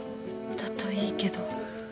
だといいけど。